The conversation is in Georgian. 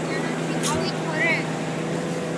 შენ ჭკვიანად იყავი თორეე